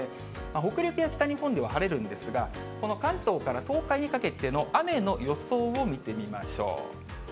北陸や北日本では晴れるんですが、この関東から東海にかけての雨の予想を見てみましょう。